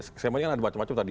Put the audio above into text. skemanya kan ada macam macam tadi